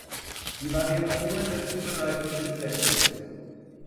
Die Variationen der Zubereitung sind sehr groß.